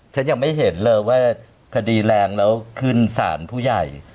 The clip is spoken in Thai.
ฉันยังไม่เห็นเลยว่าคดีแรงแล้วขึ้นสารผู้ใหญ่